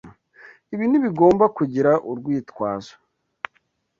Ibi ntibigomba kugira urwitwazo